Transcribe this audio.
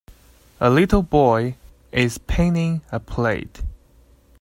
A little boy is paining a plate.